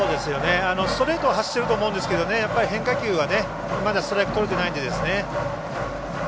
ストレートは走ってると思うんですけど変化球はまだストライクとれてないので。